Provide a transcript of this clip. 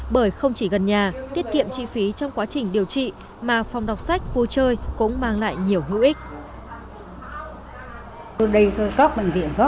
bởi không chỉ gần nhà tiết kiệm chi phí trong quá trình điều trị mà phòng đọc sách vui chơi cũng mang lại nhiều hữu ích